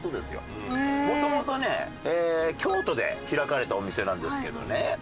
元々ね京都で開かれたお店なんですけどね